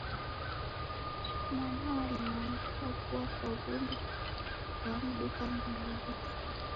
Uja mwana walemwa ni kuavua kwa w’undu w’amduka ngelo rose.